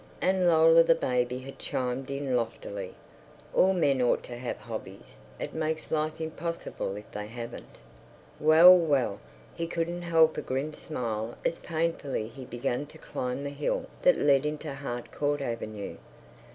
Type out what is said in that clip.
And Lola the baby had chimed in loftily, "All men ought to have hobbies. It makes life impossible if they haven't." Well, well! He couldn't help a grim smile as painfully he began to climb the hill that led into Harcourt Avenue.